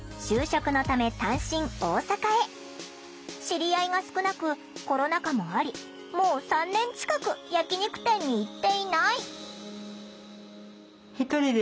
知り合いが少なくコロナ禍もありもう３年近く焼き肉店に行っていない。